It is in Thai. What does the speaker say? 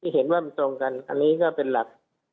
เห็นว่ามันตรงกันอันนี้ก็เป็นหลัก